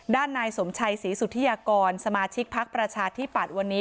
นายสมชัยศรีสุธิยากรสมาชิกพักประชาธิปัตย์วันนี้